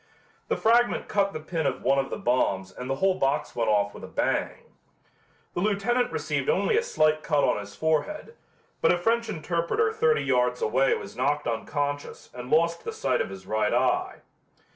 The fragment cut the pin of one of the bombs and the whole box went off with a bang. The lieutenant received only a slight cut on his forehead, but a French interpreter thirty yards away was knocked unconscious and lost the sight of his right eye.